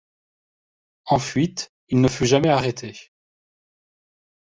En fuite, il ne fut jamais arrêté.